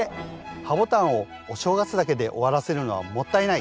ハボタンをお正月だけで終わらせるのはもったいない！